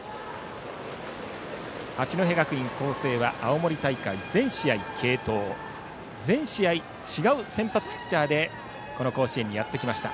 八戸学院光星は青森大会、全試合継投全試合、違う先発ピッチャーでこの甲子園にやってきました。